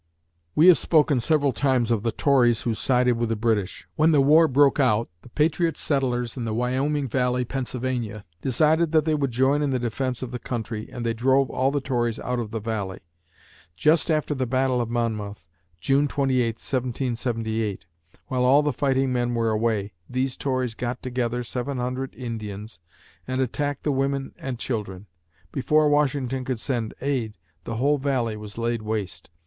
We have spoken several times of the Tories who sided with the British. When the war broke out, the patriot settlers in the Wyoming Valley, Pennsylvania, decided they would join in the defense of the country and they drove all the Tories out of the Valley. Just after the Battle of Monmouth (June 28, 1778), while all the fighting men were away, these Tories got together seven hundred Indians and attacked the women and children. Before Washington could send aid, the whole Valley was laid waste.